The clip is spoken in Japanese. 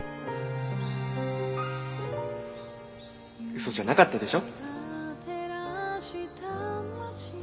嘘じゃなかったでしょ？